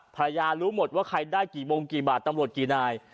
รู้หมดว่าใครได้กี่วงกี่บาทตำรวจกี่นาย